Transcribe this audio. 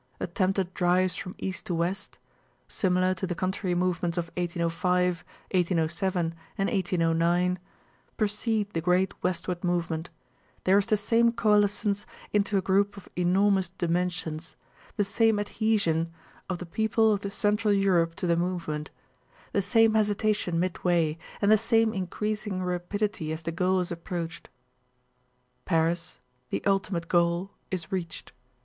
Attempted drives from east to west—similar to the contrary movements of 1805, 1807, and 1809—precede the great westward movement; there is the same coalescence into a group of enormous dimensions; the same adhesion of the people of Central Europe to the movement; the same hesitation midway, and the same increasing rapidity as the goal is approached. Paris, the ultimate goal, is reached.